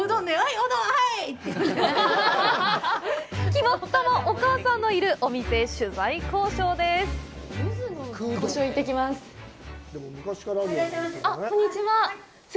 肝っ玉お母さんのいるお店へ取材交渉です。